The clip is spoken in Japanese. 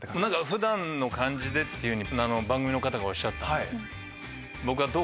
普段の感じでって番組の方がおっしゃったんで。